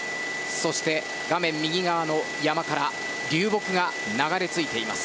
そして、画面右側の山から流木が流れ着いています。